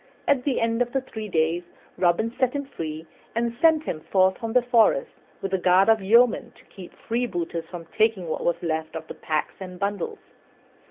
At the end of three days Robin set him free, and sent him forth from the forest with a guard of yeomen to keep freebooters from taking what was left of the packs and bundles.